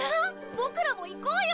ボクらも行こうよ！